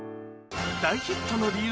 大ヒットの理由